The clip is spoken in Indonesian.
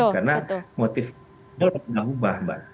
karena motif itu tidak berubah